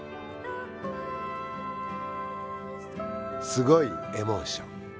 「すごいエモーション」。